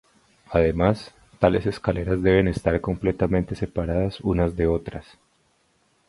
Además, tales escaleras deben estar completamente separadas unas de otras.